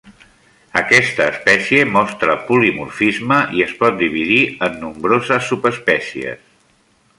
Aquesta espècie mostra polimorfisme i es pot dividir en nombroses subespècies.